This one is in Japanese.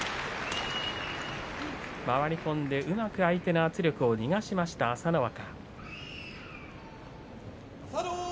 回り込んでうまく相手の圧力を逃がしました朝乃若。